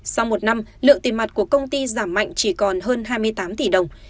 sau một năm lượng tiền mặt của công ty giảm mạnh chỉ còn hơn hai mươi tám tỷ đồng